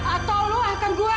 atau luahkan gue